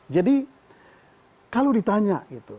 jadi kalau ditanya